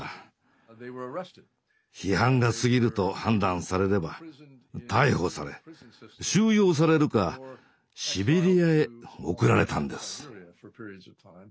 批判が過ぎると判断されれば逮捕され収容されるかシベリアへ送られたんです。